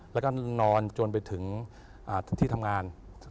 แล้วก็นอนจนไปถึงที่ทำงาน